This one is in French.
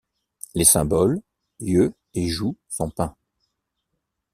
Les symboles, yeux et joues sont peints.